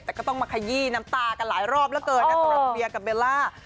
แต่ก็ต้องมาขยี้น้ำตากันหลายรอบแล้วเกินนะสำหรับเวียกับเบลล่า